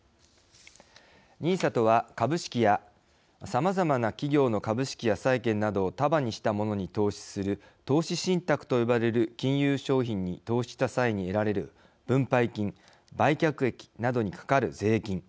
ＮＩＳＡとは株式や、さまざまな企業の株式や債券などを束にしたものに投資する投資信託と呼ばれる金融商品に投資した際に得られる分配金、売却益などにかかる税金。